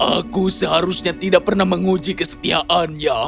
aku seharusnya tidak pernah menguji kesetiaannya